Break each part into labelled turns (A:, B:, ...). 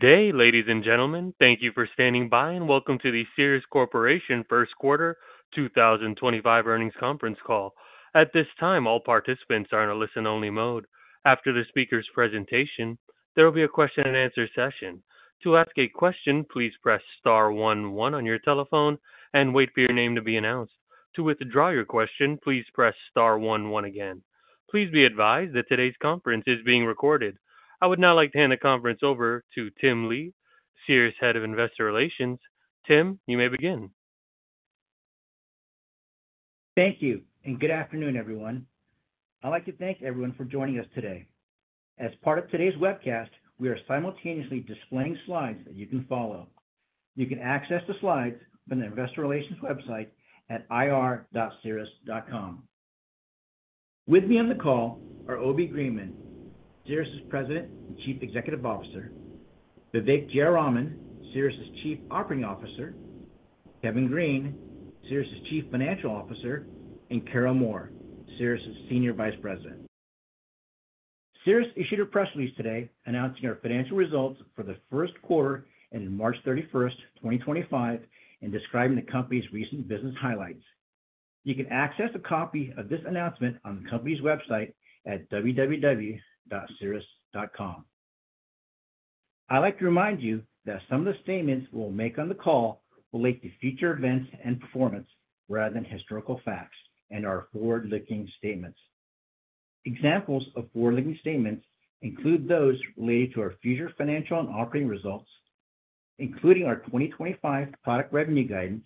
A: Today, ladies and gentlemen, thank you for standing by and welcome to the Cerus Corporation First Quarter 2025 earnings conference call. At this time, all participants are in a listen-only mode. After the speaker's presentation, there will be a question-and-answer session. To ask a question, please press star one one on your telephone and wait for your name to be announced. To withdraw your question, please press star one one again. Please be advised that today's conference is being recorded. I would now like to hand the conference over to Tim Lee, Cerus Head of Investor Relations. Tim, you may begin.
B: Thank you, and good afternoon, everyone. I'd like to thank everyone for joining us today. As part of today's webcast, we are simultaneously displaying slides that you can follow. You can access the slides from the Investor Relations website at ir.cerus.com. With me on the call are Obi Greenman, Cerus' President and Chief Executive Officer; Vivek Jayaraman, Cerus' Chief Operating Officer; Kevin Green, Cerus' Chief Financial Officer; and Carol Moore, Cerus' Senior Vice President. Cerus issued a press release today announcing our financial results for the first quarter and March 31, 2025, and describing the company's recent business highlights. You can access a copy of this announcement on the company's website at www.cerus.com. I'd like to remind you that some of the statements we'll make on the call relate to future events and performance rather than historical facts and are forward-looking statements. Examples of forward-looking statements include those related to our future financial and operating results, including our 2025 product revenue guidance,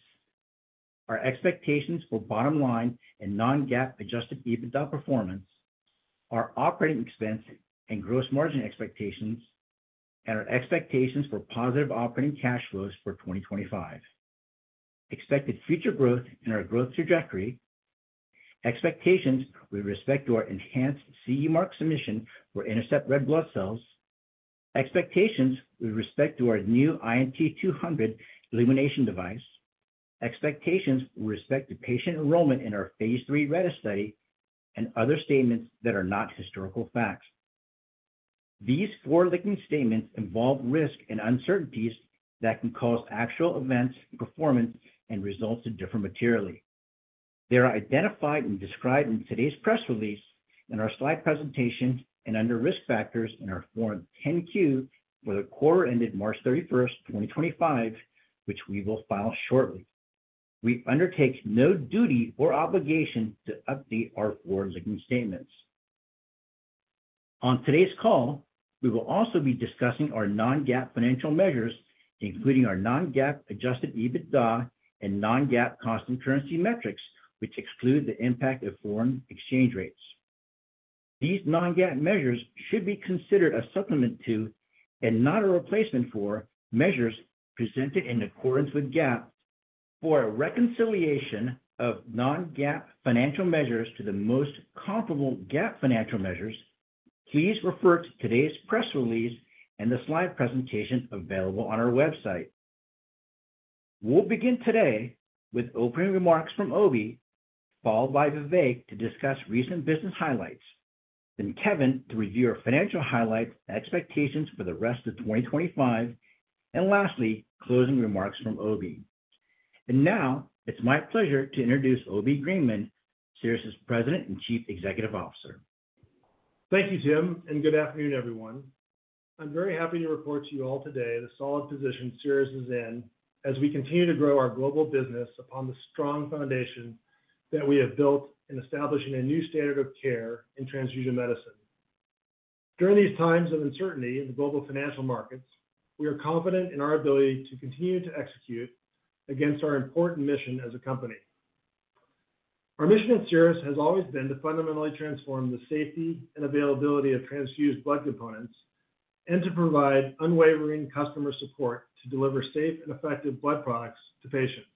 B: our expectations for bottom line and non-GAAP adjusted EBITDA performance, our operating expense and gross margin expectations, and our expectations for positive operating cash flows for 2025, expected future growth and our growth trajectory, expectations with respect to our enhanced CE Mark submission for Intercept Red Blood Cells, expectations with respect to our new INT200 illumination device, expectations with respect to patient enrollment in our phase III RETAS study, and other statements that are not historical facts. These forward-looking statements involve risk and uncertainties that can cause actual events, performance, and results to differ materially. They are identified and described in today's press release and our slide presentation and under risk factors in our Form 10Q for the quarter ended March 31, 2025, which we will file shortly. We undertake no duty or obligation to update our forward-looking statements. On today's call, we will also be discussing our non-GAAP financial measures, including our non-GAAP adjusted EBITDA and non-GAAP cost and currency metrics, which exclude the impact of foreign exchange rates. These non-GAAP measures should be considered a supplement to and not a replacement for measures presented in accordance with GAAP. For a reconciliation of non-GAAP financial measures to the most comparable GAAP financial measures, please refer to today's press release and the slide presentation available on our website. We'll begin today with opening remarks from Obi, followed by Vivek to discuss recent business highlights, then Kevin to review our financial highlights and expectations for the rest of 2025, and lastly, closing remarks from Obi. It is my pleasure to introduce Obi Greenman, Cerus' President and Chief Executive Officer.
C: Thank you, Tim, and good afternoon, everyone. I'm very happy to report to you all today the solid position Cerus is in as we continue to grow our global business upon the strong foundation that we have built in establishing a new standard of care in transfusion medicine. During these times of uncertainty in the global financial markets, we are confident in our ability to continue to execute against our important mission as a company. Our mission at Cerus has always been to fundamentally transform the safety and availability of transfused blood components and to provide unwavering customer support to deliver safe and effective blood products to patients.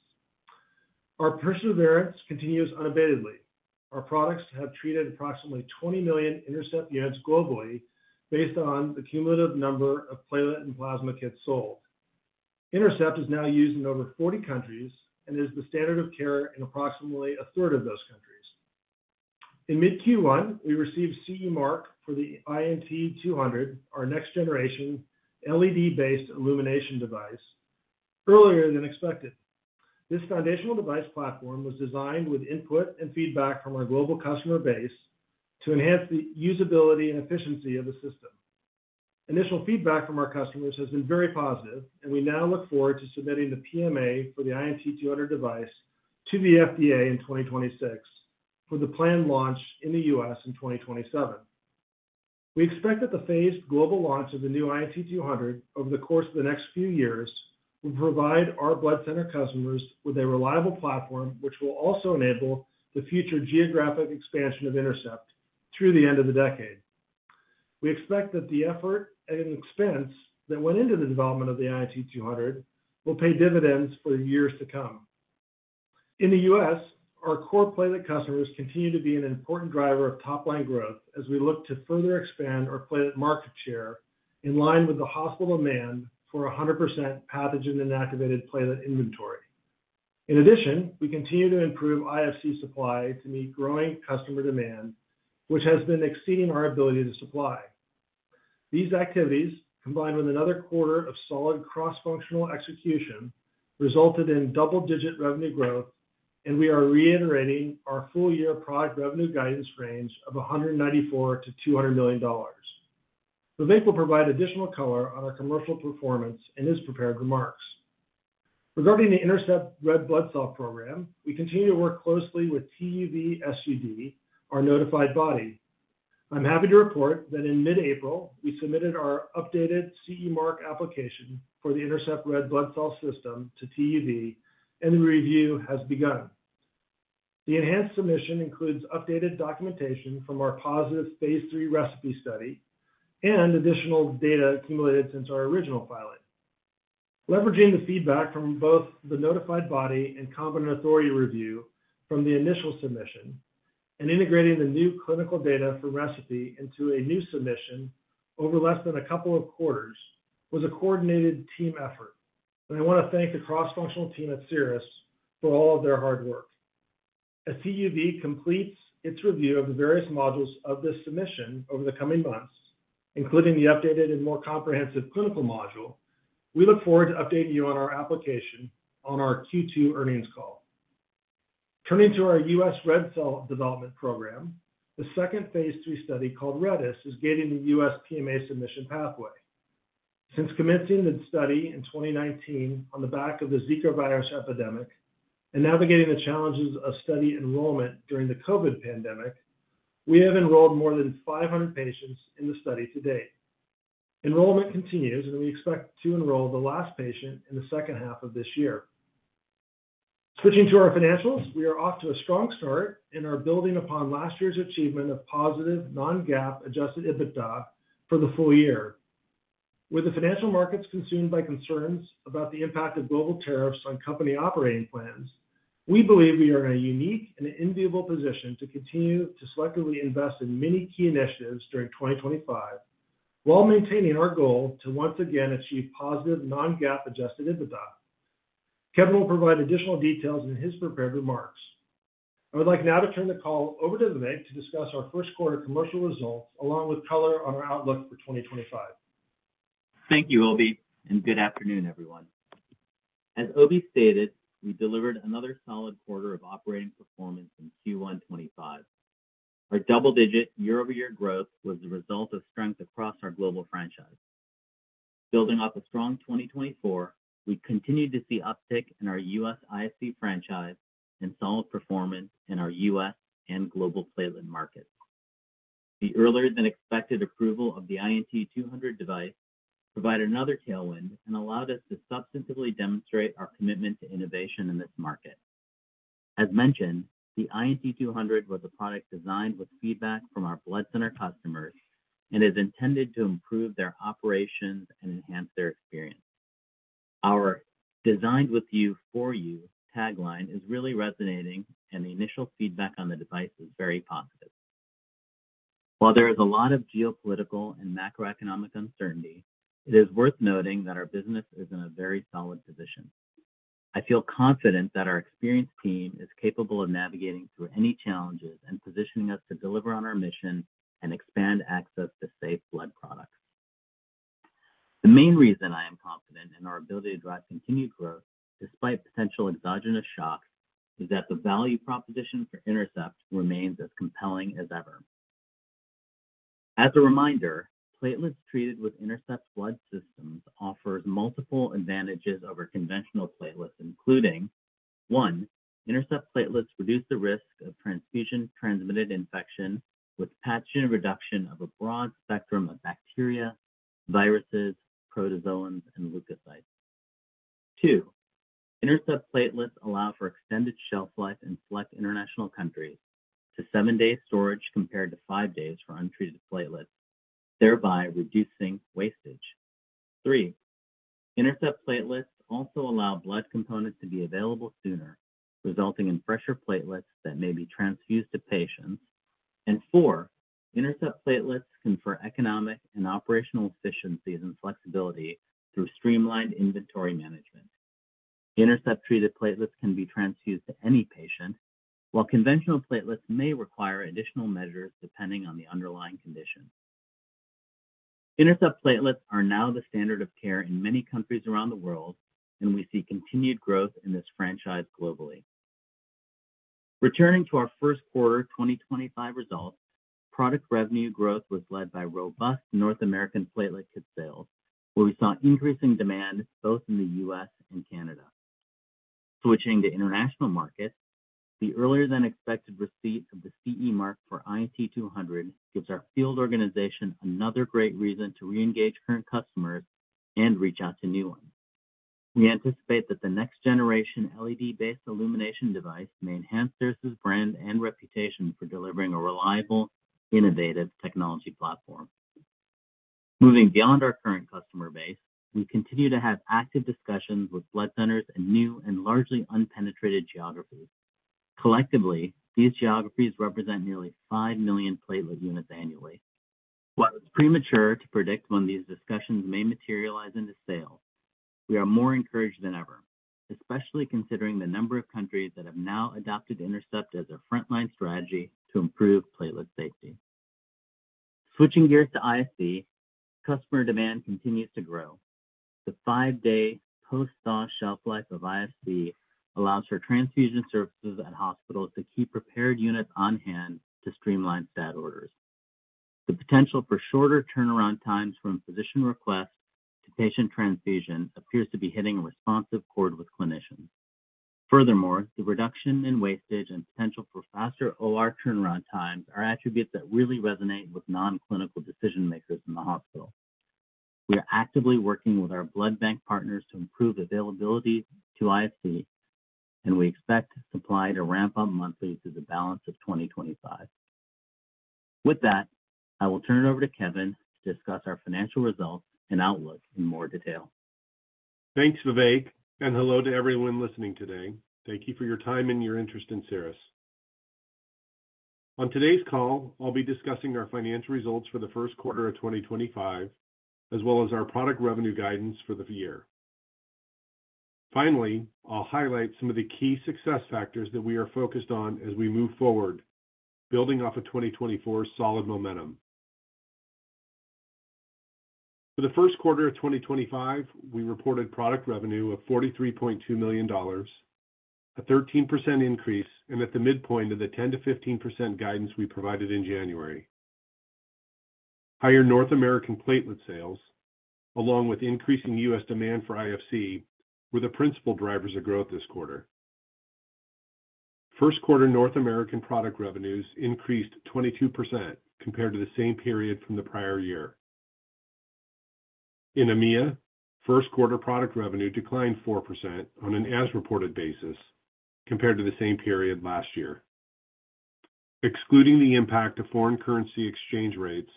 C: Our perseverance continues unabatedly. Our products have treated approximately 20 million Intercept units globally based on the cumulative number of platelet and plasma kits sold. Intercept is now used in over 40 countries and is the standard of care in approximately a third of those countries. In mid-Q1, we received CE Mark for the INT200, our next generation LED-based illumination device, earlier than expected. This foundational device platform was designed with input and feedback from our global customer base to enhance the usability and efficiency of the system. Initial feedback from our customers has been very positive, and we now look forward to submitting the PMA for the INT200 device to the FDA in 2026 for the planned launch in the U.S. in 2027. We expect that the phased global launch of the new INT200 over the course of the next few years will provide our blood center customers with a reliable platform, which will also enable the future geographic expansion of Intercept through the end of the decade. We expect that the effort and expense that went into the development of the INT200 will pay dividends for years to come. In the U.S., our core platelet customers continue to be an important driver of top-line growth as we look to further expand our platelet market share in line with the hospital demand for 100% pathogen-inactivated platelet inventory. In addition, we continue to improve IFC supply to meet growing customer demand, which has been exceeding our ability to supply. These activities, combined with another quarter of solid cross-functional execution, resulted in double-digit revenue growth, and we are reiterating our full-year product revenue guidance range of $194-$200 million. Vivek will provide additional color on our commercial performance in his prepared remarks. Regarding the Intercept Red Blood Cell Program, we continue to work closely with TÜV SÜD, our notified body. I'm happy to report that in mid-April, we submitted our updated CE Mark application for the Intercept Red Blood Cell System to TÜV SÜD, and the review has begun. The enhanced submission includes updated documentation from our positive phase III RECIPE Study and additional data accumulated since our original pilot. Leveraging the feedback from both the notified body and competent authority review from the initial submission and integrating the new clinical data for RECIPE into a new submission over less than a couple of quarters was a coordinated team effort. I want to thank the cross-functional team at Cerus for all of their hard work. As TÜV SÜD completes its review of the various modules of this submission over the coming months, including the updated and more comprehensive clinical module, we look forward to updating you on our application on our Q2 earnings call. Turning to our U.S. Red cell development program, the second phase III study called RETAS is gating the U.S. PMA submission pathway. Since commencing the study in 2019 on the back of the Zika virus epidemic and navigating the challenges of study enrollment during the COVID pandemic, we have enrolled more than 500 patients in the study to date. Enrollment continues, and we expect to enroll the last patient in the second half of this year. Switching to our financials, we are off to a strong start and are building upon last year's achievement of positive non-GAAP adjusted EBITDA for the full year. With the financial markets consumed by concerns about the impact of global tariffs on company operating plans, we believe we are in a unique and enviable position to continue to selectively invest in many key initiatives during 2025 while maintaining our goal to once again achieve positive non-GAAP adjusted EBITDA. Kevin will provide additional details in his prepared remarks. I would like now to turn the call over to Vivek to discuss our first quarter commercial results along with color on our outlook for 2025.
D: Thank you, Obi, and good afternoon, everyone. As Obi stated, we delivered another solid quarter of operating performance in Q1 2025. Our double-digit year-over-year growth was the result of strength across our global franchise. Building off a strong 2024, we continued to see uptick in our U.S. IFC franchise and solid performance in our U.S. and global platelet markets. The earlier-than-expected approval of the INT200 device provided another tailwind and allowed us to substantively demonstrate our commitment to innovation in this market. As mentioned, the INT200 was a product designed with feedback from our blood center customers and is intended to improve their operations and enhance their experience. Our "Designed with you for you" tagline is really resonating, and the initial feedback on the device is very positive. While there is a lot of geopolitical and macroeconomic uncertainty, it is worth noting that our business is in a very solid position. I feel confident that our experienced team is capable of navigating through any challenges and positioning us to deliver on our mission and expand access to safe blood products. The main reason I am confident in our ability to drive continued growth despite potential exogenous shocks is that the value proposition for Intercept remains as compelling as ever. As a reminder, platelets treated with Intercept Blood System offer multiple advantages over conventional platelets, including: one, Intercept platelets reduce the risk of transfusion transmitted infection with pathogen reduction of a broad spectrum of bacteria, viruses, protozoans, and leukocytes. Two, Intercept platelets allow for extended shelf life in select international countries to seven-day storage compared to five days for untreated platelets, thereby reducing wastage. Three, Intercept platelets also allow blood components to be available sooner, resulting in fresher platelets that may be transfused to patients. Four, Intercept platelets confer economic and operational efficiencies and flexibility through streamlined inventory management. Intercept-treated platelets can be transfused to any patient, while conventional platelets may require additional measures depending on the underlying condition. Intercept platelets are now the standard of care in many countries around the world, and we see continued growth in this franchise globally. Returning to our first quarter 2025 results, product revenue growth was led by robust North American platelet kit sales, where we saw increasing demand both in the U.S. and Canada. Switching to international markets, the earlier-than-expected receipt of the CE Mark for INT200 gives our field organization another great reason to re-engage current customers and reach out to new ones. We anticipate that the next generation LED-based illumination device may enhance Cerus' brand and reputation for delivering a reliable, innovative technology platform. Moving beyond our current customer base, we continue to have active discussions with blood centers in new and largely unpenetrated geographies. Collectively, these geographies represent nearly 5 million platelet units annually. While it's premature to predict when these discussions may materialize into sales, we are more encouraged than ever, especially considering the number of countries that have now adopted Intercept as a frontline strategy to improve platelet safety. Switching gears to IFC, customer demand continues to grow. The five-day post-thaw shelf life of IFC allows for transfusion services at hospitals to keep prepared units on hand to streamline STAT orders. The potential for shorter turnaround times from physician request to patient transfusion appears to be hitting a responsive chord with clinicians. Furthermore, the reduction in wastage and potential for faster OR turnaround times are attributes that really resonate with non-clinical decision makers in the hospital. We are actively working with our blood bank partners to improve availability to IFC, and we expect supply to ramp up monthly through the balance of 2025. With that, I will turn it over to Kevin to discuss our financial results and outlook in more detail.
E: Thanks, Vivek, and hello to everyone listening today. Thank you for your time and your interest in Cerus. On today's call, I'll be discussing our financial results for the first quarter of 2025, as well as our product revenue guidance for the year. Finally, I'll highlight some of the key success factors that we are focused on as we move forward, building off of 2024's solid momentum. For the first quarter of 2025, we reported product revenue of $43.2 million, a 13% increase and at the midpoint of the 10%-15% guidance we provided in January. Higher North American platelet sales, along with increasing U.S. demand for IFC, were the principal drivers of growth this quarter. First quarter North American product revenues increased 22% compared to the same period from the prior year. In EMEA, first quarter product revenue declined 4% on an as-reported basis compared to the same period last year. Excluding the impact of foreign currency exchange rates,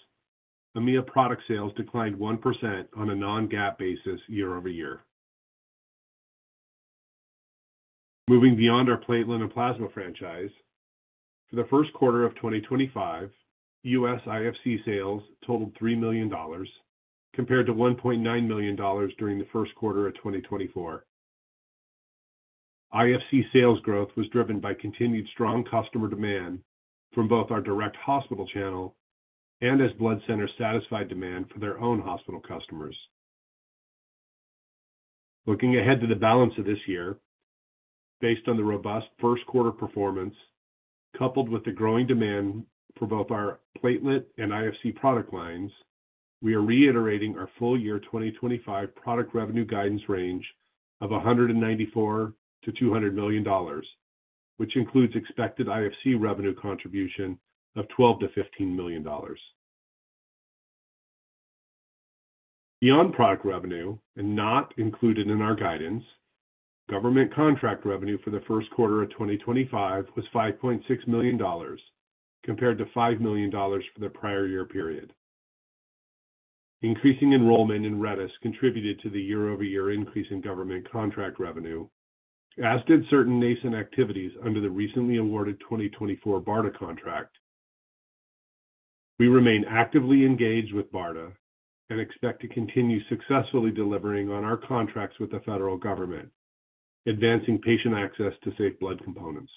E: EMEA product sales declined 1% on a non-GAAP basis year-over-year. Moving beyond our platelet and plasma franchise, for the first quarter of 2025, U.S. IFC sales totaled $3 million compared to $1.9 million during the first quarter of 2024. IFC sales growth was driven by continued strong customer demand from both our direct hospital channel and as blood centers satisfied demand for their own hospital customers. Looking ahead to the balance of this year, based on the robust first quarter performance, coupled with the growing demand for both our platelet and IFC product lines, we are reiterating our full year 2025 product revenue guidance range of $194-$200 million, which includes expected IFC revenue contribution of $12-$15 million. Beyond product revenue, and not included in our guidance, government contract revenue for the first quarter of 2025 was $5.6 million compared to $5 million for the prior year period. Increasing enrollment in RETAS contributed to the year-over-year increase in government contract revenue, as did certain nascent activities under the recently awarded 2024 BARDA contract. We remain actively engaged with BARDA and expect to continue successfully delivering on our contracts with the federal government, advancing patient access to safe blood components.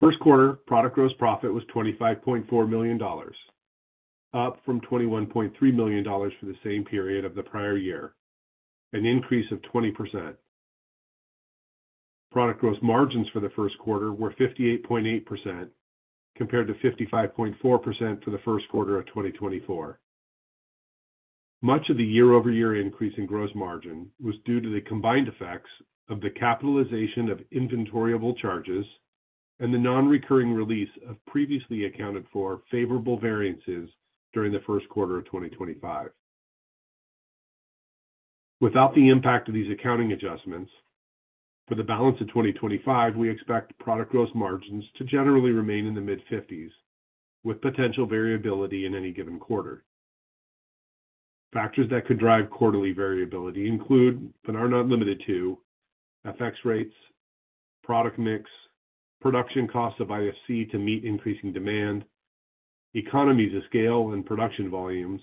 E: First quarter product gross profit was $25.4 million, up from $21.3 million for the same period of the prior year, an increase of 20%. Product gross margins for the first quarter were 58.8% compared to 55.4% for the first quarter of 2024. Much of the year-over-year increase in gross margin was due to the combined effects of the capitalization of inventoriable charges and the non-recurring release of previously accounted for favorable variances during the first quarter of 2025. Without the impact of these accounting adjustments, for the balance of 2025, we expect product gross margins to generally remain in the mid-50s, with potential variability in any given quarter. Factors that could drive quarterly variability include, but are not limited to, FX rates, product mix, production costs of IFC to meet increasing demand, economies of scale and production volumes,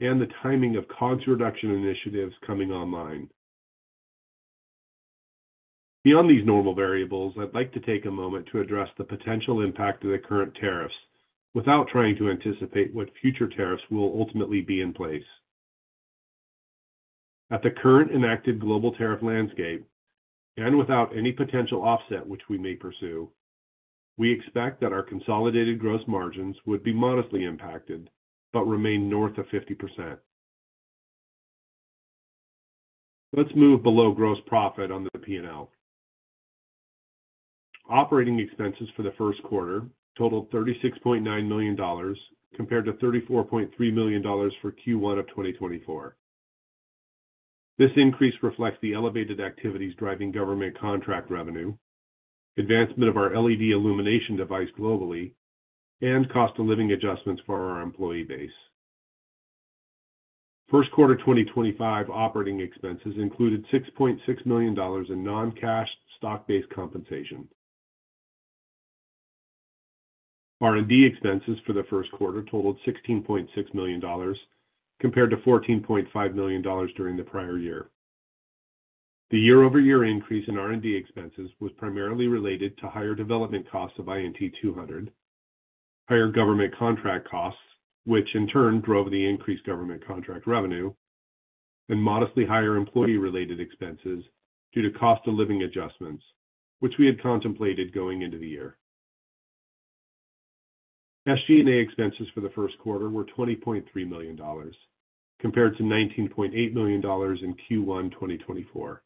E: and the timing of cost reduction initiatives coming online. Beyond these normal variables, I'd like to take a moment to address the potential impact of the current tariffs without trying to anticipate what future tariffs will ultimately be in place. At the current enacted global tariff landscape, and without any potential offset which we may pursue, we expect that our consolidated gross margins would be modestly impacted but remain north of 50%. Let's move below gross profit on the P&L. Operating expenses for the first quarter totaled $36.9 million compared to $34.3 million for Q1 of 2024. This increase reflects the elevated activities driving government contract revenue, advancement of our LED illumination device globally, and cost of living adjustments for our employee base. First quarter 2025 operating expenses included $6.6 million in non-cash stock-based compensation. R&D expenses for the first quarter totaled $16.6 million compared to $14.5 million during the prior year. The year-over-year increase in R&D expenses was primarily related to higher development costs of INT200, higher government contract costs, which in turn drove the increased government contract revenue, and modestly higher employee-related expenses due to cost of living adjustments, which we had contemplated going into the year. SG&A expenses for the first quarter were $20.3 million compared to $19.8 million in Q1 2024.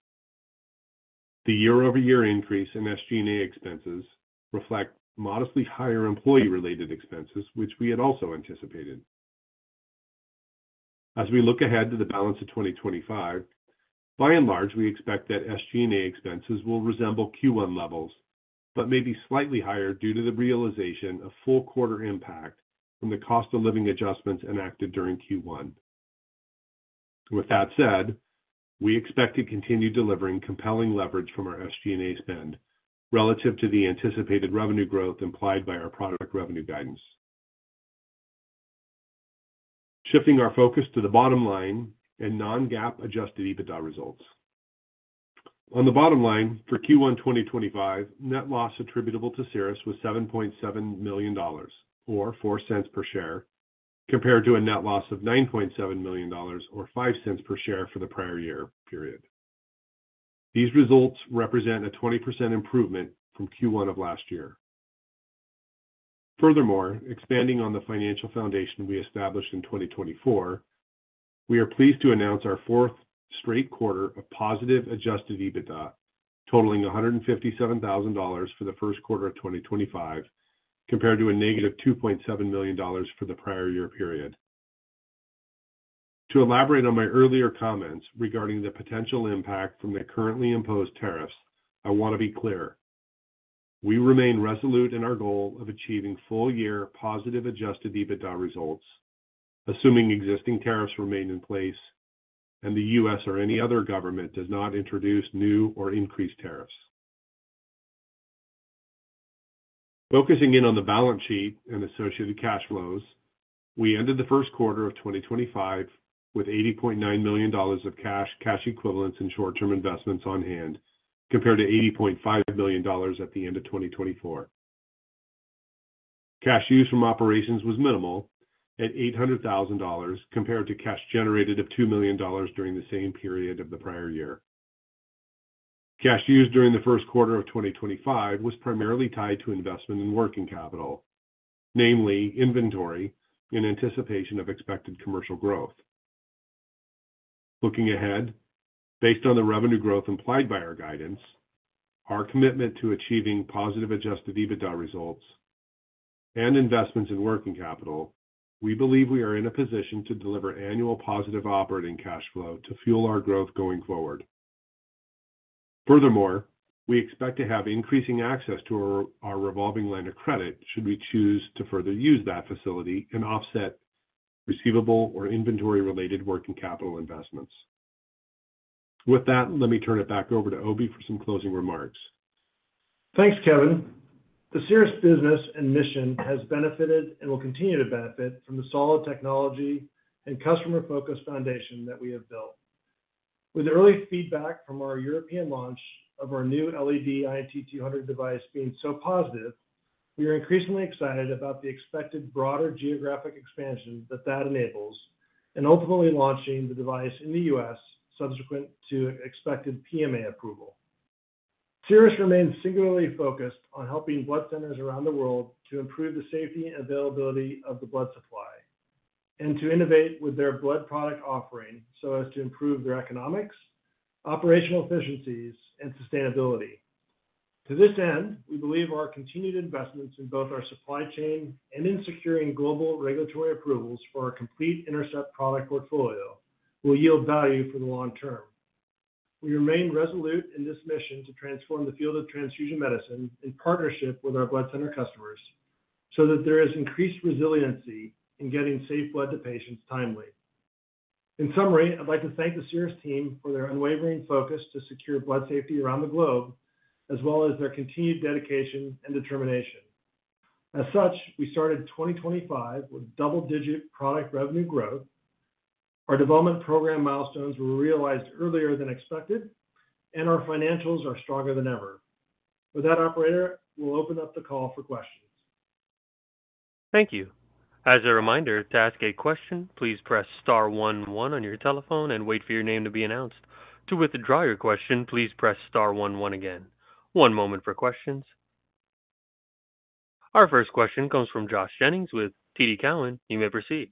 E: The year-over-year increase in SG&A expenses reflects modestly higher employee-related expenses, which we had also anticipated. As we look ahead to the balance of 2025, by and large, we expect that SG&A expenses will resemble Q1 levels but may be slightly higher due to the realization of full quarter impact from the cost of living adjustments enacted during Q1. With that said, we expect to continue delivering compelling leverage from our SG&A spend relative to the anticipated revenue growth implied by our product revenue guidance. Shifting our focus to the bottom line and non-GAAP adjusted EBITDA results. On the bottom line, for Q1 2025, net loss attributable to Cerus was $7.7 million, or $0.04 per share, compared to a net loss of $9.7 million, or $0.05 per share for the prior year period. These results represent a 20% improvement from Q1 of last year. Furthermore, expanding on the financial foundation we established in 2024, we are pleased to announce our fourth straight quarter of positive adjusted EBITDA totaling $157,000 for the first quarter of 2025 compared to a negative $2.7 million for the prior year period. To elaborate on my earlier comments regarding the potential impact from the currently imposed tariffs, I want to be clear. We remain resolute in our goal of achieving full year positive adjusted EBITDA results, assuming existing tariffs remain in place and the U.S. or any other government does not introduce new or increase tariffs. Focusing in on the balance sheet and associated cash flows, we ended the first quarter of 2025 with $80.9 million of cash, cash equivalents, and short-term investments on hand compared to $80.5 million at the end of 2024. Cash used from operations was minimal at $800,000 compared to cash generated of $2 million during the same period of the prior year. Cash used during the first quarter of 2025 was primarily tied to investment in working capital, namely inventory in anticipation of expected commercial growth. Looking ahead, based on the revenue growth implied by our guidance, our commitment to achieving positive adjusted EBITDA results, and investments in working capital, we believe we are in a position to deliver annual positive operating cash flow to fuel our growth going forward. Furthermore, we expect to have increasing access to our revolving line of credit should we choose to further use that facility and offset receivable or inventory-related working capital investments. With that, let me turn it back over to Obi for some closing remarks.
C: Thanks, Kevin. The Cerus business and mission has benefited and will continue to benefit from the solid technology and customer-focused foundation that we have built. With early feedback from our European launch of our new LED INT200 device being so positive, we are increasingly excited about the expected broader geographic expansion that that enables and ultimately launching the device in the U.S. subsequent to expected PMA approval. Cerus remains singularly focused on helping blood centers around the world to improve the safety and availability of the blood supply and to innovate with their blood product offering so as to improve their economics, operational efficiencies, and sustainability. To this end, we believe our continued investments in both our supply chain and in securing global regulatory approvals for our complete Intercept product portfolio will yield value for the long term. We remain resolute in this mission to transform the field of transfusion medicine in partnership with our blood center customers so that there is increased resiliency in getting safe blood to patients timely. In summary, I'd like to thank the Cerus team for their unwavering focus to secure blood safety around the globe, as well as their continued dedication and determination. As such, we started 2025 with double-digit product revenue growth. Our development program milestones were realized earlier than expected, and our financials are stronger than ever. With that, Operator, we'll open up the call for questions.
A: Thank you. As a reminder, to ask a question, please press star one one on your telephone and wait for your name to be announced. To withdraw your question, please press star one one again. One moment for questions. Our first question comes from Josh Jennings with TD Cowen. You may proceed.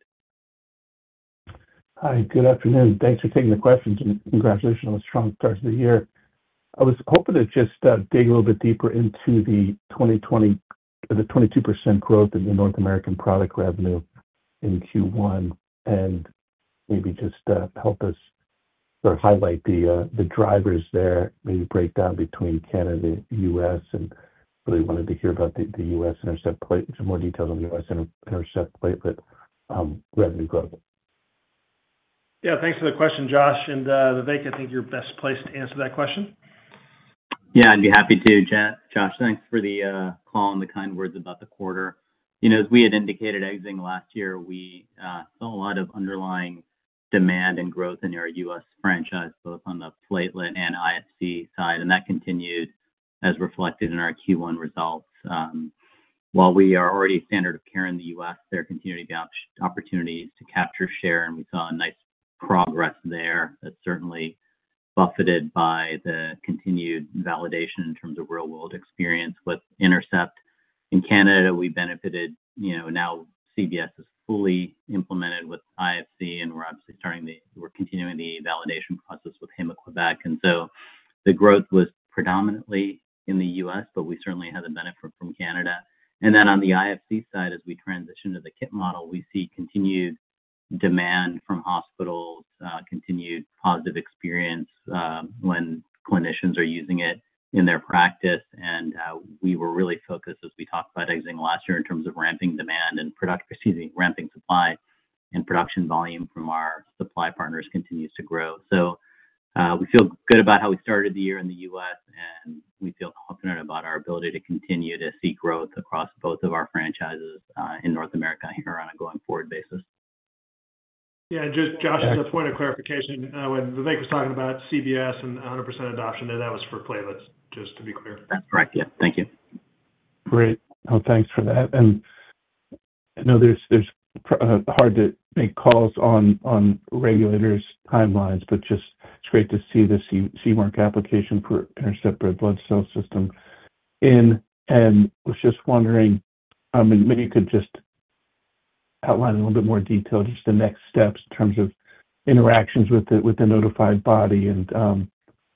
F: Hi, good afternoon. Thanks for taking the questions. Congratulations on a strong start to the year. I was hoping to just dig a little bit deeper into the 2020, the 22% growth in the North American product revenue in Q1 and maybe just help us or highlight the drivers there, maybe break down between Canada and U.S. Really wanted to hear about the U.S. Intercept Platelets, some more details on the U.S. Intercept Platelets revenue growth.
C: Yeah, thanks for the question, Josh. Vivek, I think you're best placed to answer that question.
D: Yeah, I'd be happy to, Josh. Thanks for the call and the kind words about the quarter. You know, as we had indicated, exiting last year, we saw a lot of underlying demand and growth in our U.S. franchise both on the platelet and IFC side. That continued as reflected in our Q1 results. While we are already a standard of care in the U.S., there continue to be opportunities to capture share, and we saw nice progress there that's certainly buffeted by the continued validation in terms of real-world experience with Intercept. In Canada, we benefited, you know, now Canadian Blood Services is fully implemented with IFC, and we're obviously starting the, we're continuing the validation process with Héma-Québec. The growth was predominantly in the U.S., but we certainly had the benefit from Canada. On the IFC side, as we transition to the KITT model, we see continued demand from hospitals, continued positive experience when clinicians are using it in their practice. We were really focused, as we talked about exiting last year, in terms of ramping demand and product, excuse me, ramping supply and production volume from our supply partners continues to grow. We feel good about how we started the year in the U.S., and we feel confident about our ability to continue to see growth across both of our franchises in North America here on a going forward basis.
C: Yeah, just Josh, just a point of clarification. When Vivek was talking about CBS and 100% adoption, that was for platelets, just to be clear.
D: That's correct. Yeah, thank you.
F: Great. Thanks for that. I know it's hard to make calls on regulators' timelines, but just it's great to see the CE Mark application for INTERCEPT Red Blood Cell System in. I was just wondering, I mean, maybe you could just outline a little bit more detail, just the next steps in terms of interactions with the notified body and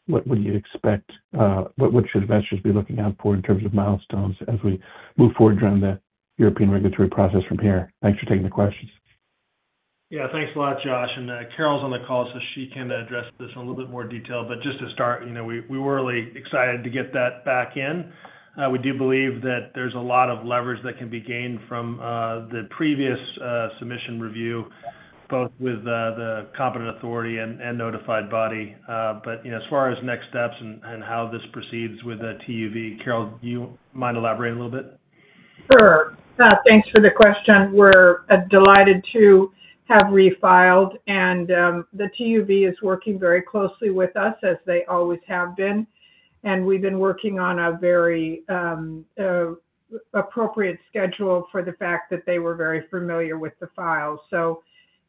F: what do you expect, what should investors be looking out for in terms of milestones as we move forward around the European regulatory process from here? Thanks for taking the questions.
C: Yeah, thanks a lot, Josh. Carol's on the call, so she can address this in a little bit more detail. Just to start, you know, we were really excited to get that back in. We do believe that there's a lot of leverage that can be gained from the previous submission review, both with the competent authority and notified body. As far as next steps and how this proceeds with the TUV, Carol, do you mind elaborating a little bit?
G: Sure. Thanks for the question. We're delighted to have refiled, and the TÜV SÜD is working very closely with us, as they always have been. We've been working on a very appropriate schedule for the fact that they were very familiar with the file. TÜV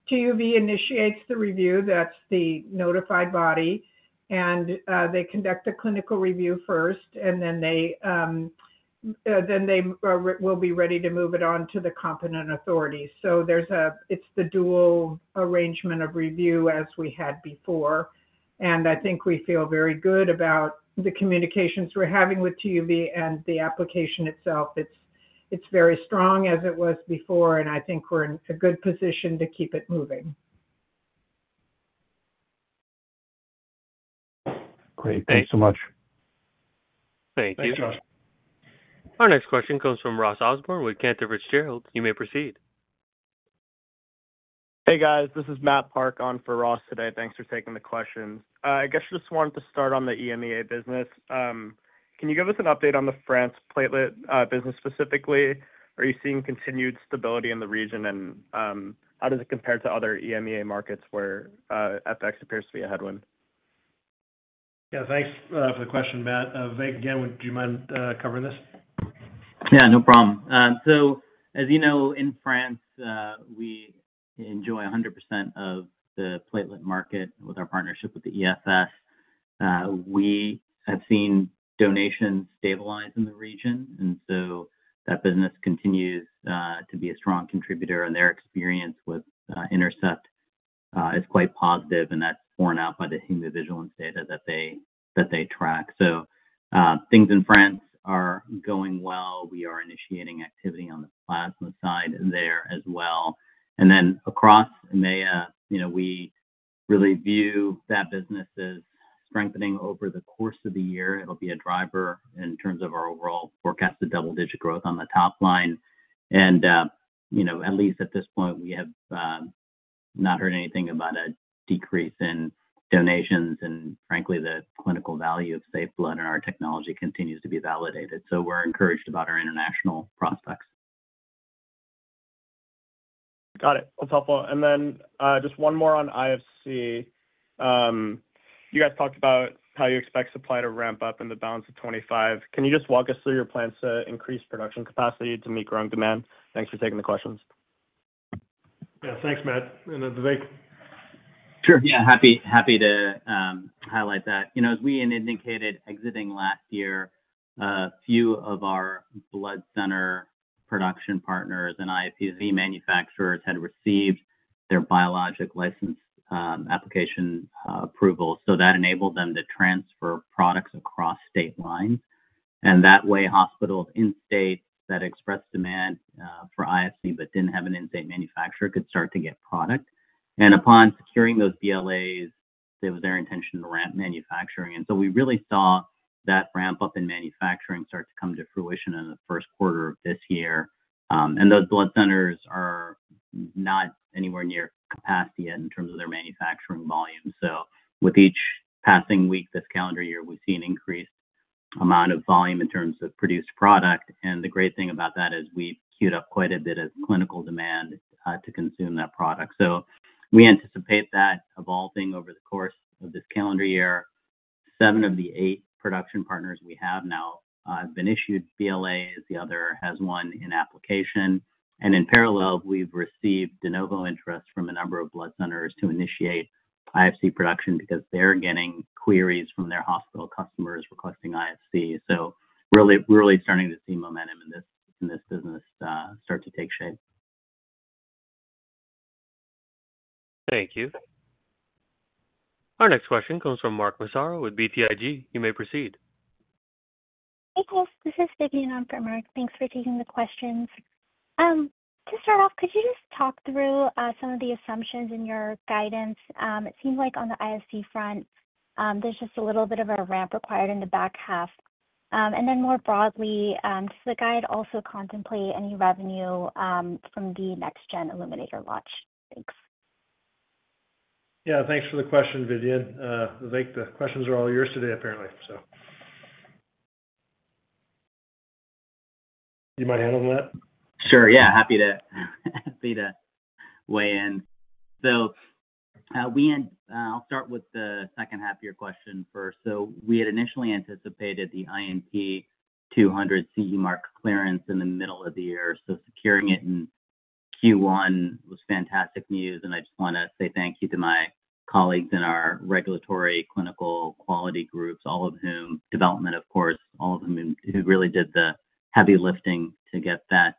G: SÜD initiates the review. That's the notified body. They conduct the clinical review first, and then they will be ready to move it on to the competent authority. It's the dual arrangement of review as we had before. I think we feel very good about the communications we're having with TÜV SÜD and the application itself. It's very strong as it was before, and I think we're in a good position to keep it moving.
F: Great. Thanks so much.
A: Thank you.
C: Thanks, Josh.
A: Our next question comes from Ross Osborne with Cantor Fitzgerald. You may proceed.
H: Hey, guys. This is Matt Park on for Ross today. Thanks for taking the questions. I guess I just wanted to start on the EMEA business. Can you give us an update on the France platelet business specifically? Are you seeing continued stability in the region, and how does it compare to other EMEA markets where FX appears to be a headwind?
C: Yeah, thanks for the question, Matt. Vivek, again, would you mind covering this?
D: Yeah, no problem. As you know, in France, we enjoy 100% of the platelet market with our partnership with the Établissement français du Sang. We have seen donations stabilize in the region, and that business continues to be a strong contributor, and their experience with Intercept is quite positive, and that's borne out by the hemovigilance data that they track. Things in France are going well. We are initiating activity on the plasma side there as well. Across EMEA, you know, we really view that business as strengthening over the course of the year. It'll be a driver in terms of our overall forecasted double-digit growth on the top line. At least at this point, we have not heard anything about a decrease in donations, and frankly, the clinical value of safe blood and our technology continues to be validated. We're encouraged about our international prospects.
H: Got it. That's helpful. Just one more on IFC. You guys talked about how you expect supply to ramp up in the balance of 2025. Can you just walk us through your plans to increase production capacity to meet growing demand? Thanks for taking the questions.
C: Yeah, thanks, Matt. Vivek?
D: Sure. Yeah, happy to highlight that. You know, as we had indicated exiting last year, a few of our blood center production partners and IFC manufacturers had received their Biologic License Application approval. That enabled them to transfer products across state lines. That way, hospitals in state that expressed demand for IFC but did not have an in-state manufacturer could start to get product. Upon securing those BLAs, it was their intention to ramp manufacturing. We really saw that ramp up in manufacturing start to come to fruition in the first quarter of this year. Those blood centers are not anywhere near capacity yet in terms of their manufacturing volume. With each passing week this calendar year, we see an increased amount of volume in terms of produced product. The great thing about that is we've queued up quite a bit of clinical demand to consume that product. We anticipate that evolving over the course of this calendar year. Seven of the eight production partners we have now have been issued BLAs. The other has one in application. In parallel, we've received de novo interest from a number of blood centers to initiate IFC production because they're getting queries from their hospital customers requesting IFC. We're really starting to see momentum in this business start to take shape.
A: Thank you. Our next question comes from Mark Mazzaro with BTIG. You may proceed.
I: Hey, guys. This is Vidyun on for Mark. Thanks for taking the questions. To start off, could you just talk through some of the assumptions in your guidance? It seems like on the IFC front, there's just a little bit of a ramp required in the back half. More broadly, does the guide also contemplate any revenue from the next-gen illuminator launch? Thanks.
C: Yeah, thanks for the question, Vidyun. Vivek, the questions are all yours today, apparently, so. You mind handling that?
D: Sure. Yeah, happy to weigh in. I'll start with the second half of your question first. We had initially anticipated the INT200 CE mark clearance in the middle of the year. Securing it in Q1 was fantastic news. I just want to say thank you to my colleagues in our regulatory, clinical, and quality groups, all of whom, development of course, really did the heavy lifting to get that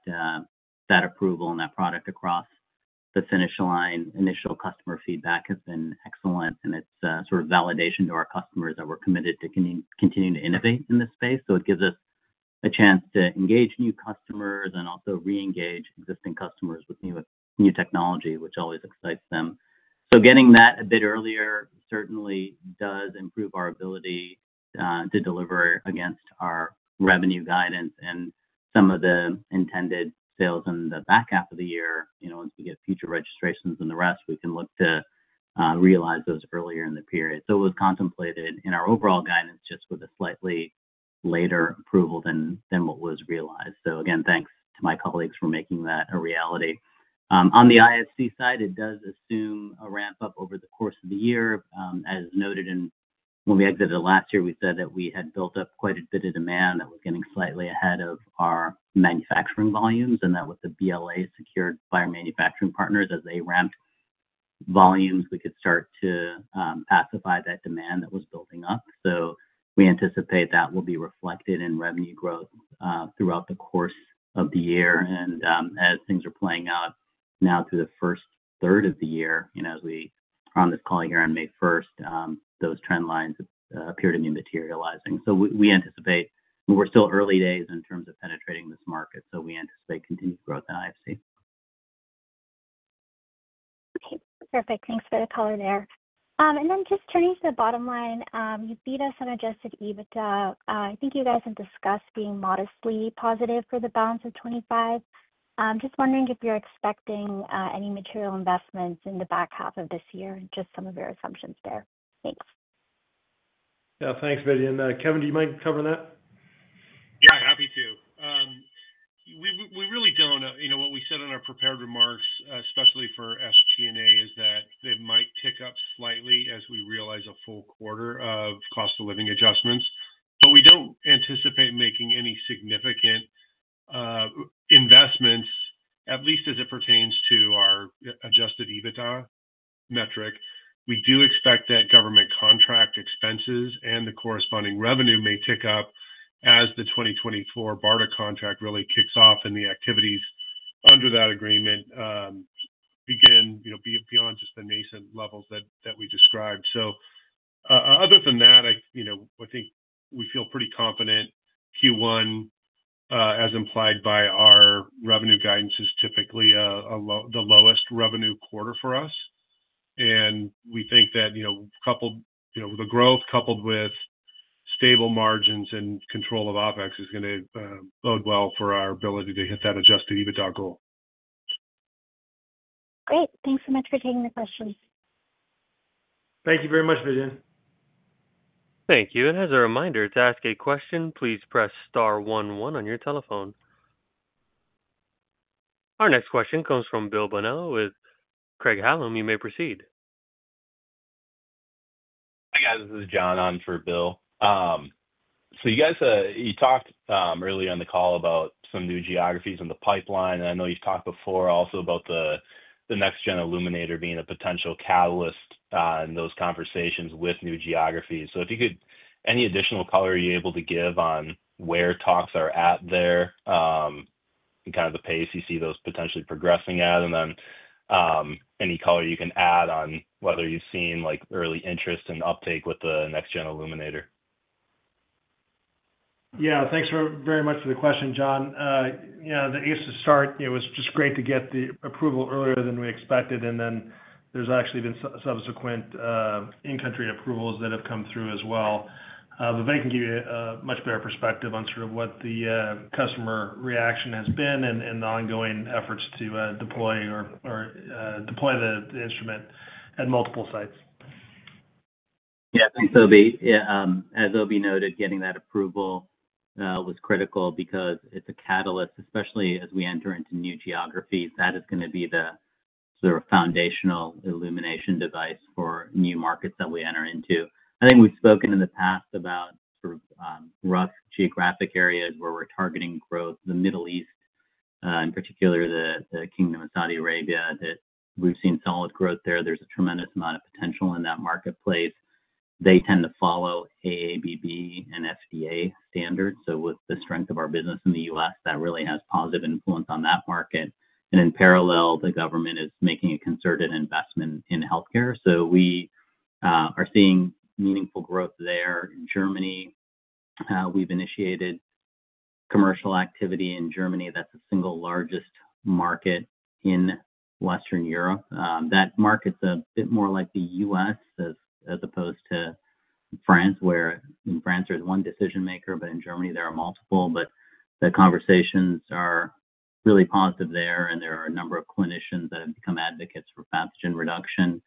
D: approval and that product across the finish line. Initial customer feedback has been excellent, and it's sort of validation to our customers that we're committed to continuing to innovate in this space. It gives us a chance to engage new customers and also re-engage existing customers with new technology, which always excites them. Getting that a bit earlier certainly does improve our ability to deliver against our revenue guidance and some of the intended sales in the back half of the year. You know, once we get future registrations and the rest, we can look to realize those earlier in the period. It was contemplated in our overall guidance just with a slightly later approval than what was realized. Again, thanks to my colleagues for making that a reality. On the IFC side, it does assume a ramp up over the course of the year. As noted in when we exited last year, we said that we had built up quite a bit of demand that was getting slightly ahead of our manufacturing volumes, and that with the BLAs secured by our manufacturing partners, as they ramped volumes, we could start to pacify that demand that was building up. We anticipate that will be reflected in revenue growth throughout the course of the year. As things are playing out now through the first third of the year, you know, as we are on this call here on May 1, those trend lines appear to be materializing. We anticipate, we're still early days in terms of penetrating this market. We anticipate continued growth in IFC.
I: Okay. Perfect. Thanks for the color there. Just turning to the bottom line, you beat us on adjusted EBITDA. I think you guys had discussed being modestly positive for the balance of 2025. Just wondering if you're expecting any material investments in the back half of this year and just some of your assumptions there. Thanks.
C: Yeah, thanks, Vidyun. Kevin, do you mind covering that?
E: Yeah, happy to. We really don't, you know, what we said in our prepared remarks, especially for SG&A, is that they might tick up slightly as we realize a full quarter of cost of living adjustments. We don't anticipate making any significant investments, at least as it pertains to our adjusted EBITDA metric. We do expect that government contract expenses and the corresponding revenue may tick up as the 2024 BARDA contract really kicks off and the activities under that agreement begin, you know, beyond just the nascent levels that we described. Other than that, you know, I think we feel pretty confident Q1, as implied by our revenue guidance, is typically the lowest revenue quarter for us. We think that, you know, coupled, you know, with the growth, coupled with stable margins and control of OpEx, is going to bode well for our ability to hit that adjusted EBITDA goal.
I: Great. Thanks so much for taking the questions.
C: Thank you very much, Vidyun.
A: Thank you. As a reminder, to ask a question, please press star one one on your telephone. Our next question comes from Bill Bonnell with Craig-Hallum. You may proceed.
J: Hi guys. This is John on for Bill. You talked earlier on the call about some new geographies in the pipeline. I know you've talked before also about the next-gen illuminator being a potential catalyst in those conversations with new geographies. If you could, any additional color you're able to give on where talks are at there and kind of the pace you see those potentially progressing at, and then any color you can add on whether you've seen like early interest and uptake with the next-gen illuminator.
C: Yeah, thanks very much for the question, John. You know, the easiest to start, you know, it was just great to get the approval earlier than we expected. And then there's actually been subsequent in-country approvals that have come through as well. Vivek can give you a much better perspective on sort of what the customer reaction has been and the ongoing efforts to deploy or deploy the instrument at multiple sites.
D: Yeah, thanks, Obi. As Obi noted, getting that approval was critical because it's a catalyst, especially as we enter into new geographies. That is going to be the sort of foundational illumination device for new markets that we enter into. I think we've spoken in the past about sort of rough geographic areas where we're targeting growth, the Middle East, in particular the Kingdom of Saudi Arabia, that we've seen solid growth there. There's a tremendous amount of potential in that marketplace. They tend to follow AABB and FDA standards. With the strength of our business in the U.S., that really has positive influence on that market. In parallel, the government is making a concerted investment in healthcare. We are seeing meaningful growth there in Germany. We've initiated commercial activity in Germany. That's the single largest market in Western Europe. That market's a bit more like the U.S., as opposed to France, where in France there's one decision maker, but in Germany there are multiple. The conversations are really positive there, and there are a number of clinicians that have become advocates for pathogen reduction.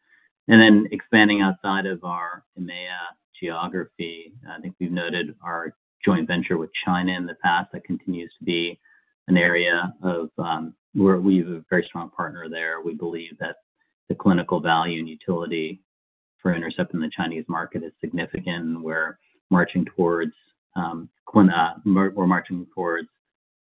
D: Expanding outside of our EMEA geography, I think we've noted our joint venture with China in the past that continues to be an area where we have a very strong partner. We believe that the clinical value and utility for Intercept in the Chinese market is significant, and we're marching towards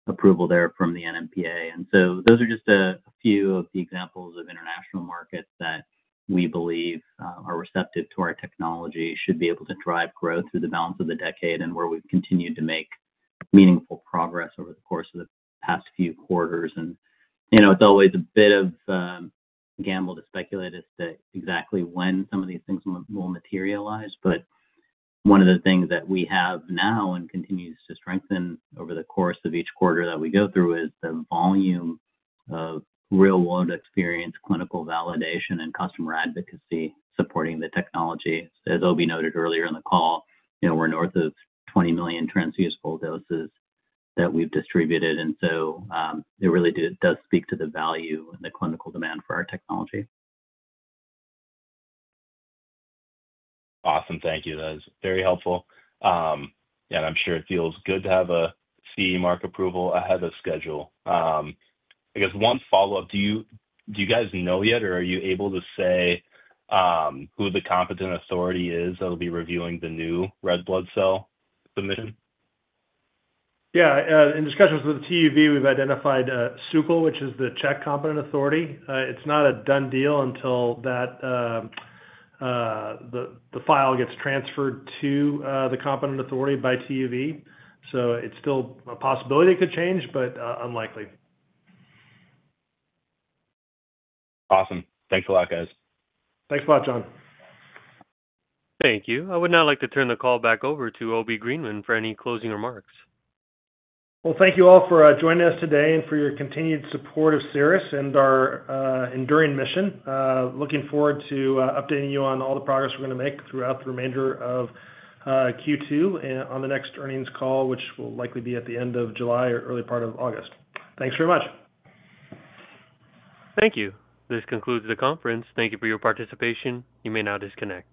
D: approval there from the NMPA. Those are just a few of the examples of international markets that we believe are receptive to our technology, should be able to drive growth through the balance of the decade and where we've continued to make meaningful progress over the course of the past few quarters. You know, it's always a bit of a gamble to speculate as to exactly when some of these things will materialize. One of the things that we have now and continues to strengthen over the course of each quarter that we go through is the volume of real-world experience, clinical validation, and customer advocacy supporting the technology. As Obi noted earlier in the call, you know, we're north of 20 million transfusable doses that we've distributed. It really does speak to the value and the clinical demand for our technology.
J: Awesome. Thank you. That is very helpful. Yeah, and I'm sure it feels good to have a CE Mark approval ahead of schedule. I guess one follow-up, do you guys know yet, or are you able to say who the competent authority is that will be reviewing the new red blood cell submission?
C: Yeah, in discussions with TÜV SÜD, we've identified SUCL, which is the Czech competent authority. It's not a done deal until the file gets transferred to the competent authority by TÜV SÜD. It's still a possibility it could change, but unlikely.
J: Awesome. Thanks a lot, guys.
C: Thanks a lot, John.
A: Thank you. I would now like to turn the call back over to Obi Greenman for any closing remarks.
C: Thank you all for joining us today and for your continued support of Cerus and our enduring mission. Looking forward to updating you on all the progress we're going to make throughout the remainder of Q2 and on the next earnings call, which will likely be at the end of July or early part of August. Thanks very much.
A: Thank you. This concludes the conference. Thank you for your participation. You may now disconnect.